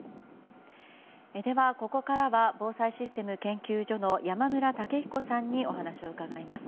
では、ここからは防災システム研究所の山村武彦さんにお話を伺います。